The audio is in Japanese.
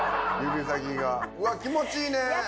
指先がうわ気持ちいいね。